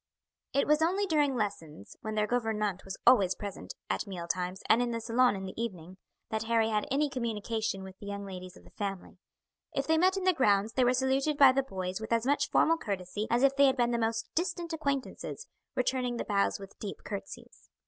It was only during lessons, when their gouvernante was always present, at meal times, and in the salon in the evening, that Harry had any communication with the young ladies of the family. If they met in the grounds they were saluted by the boys with as much formal courtesy as if they had been the most distant acquaintances, returning the bows with deep curtsies.